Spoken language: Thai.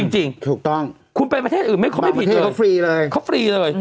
จริงคุณไปประเทศอื่นเขาไม่ผิดเลยเขาฟรีเลย